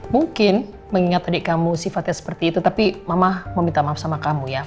mungkin mengingat adik kamu sifatnya seperti itu tapi mama meminta maaf sama kamu ya